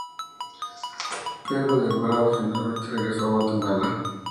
Pedro de Alvarado, finalmente, regresó a Guatemala.